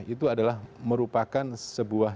itu adalah merupakan sebuah